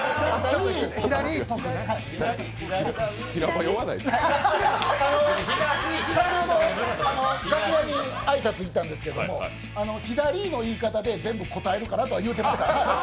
先ほど楽屋に挨拶行ったんですけど左の言い方で全部答えるからと言ってました。